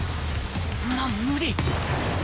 そんなん無理！